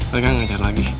kayaknya gak cari lagi